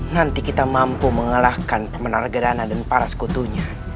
nanti kita mampu mengalahkan pemenarga dana dan para sekutunya